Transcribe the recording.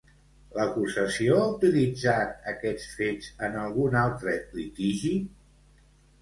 L'acusació ha utilitzat aquests fets en algun altre litigi?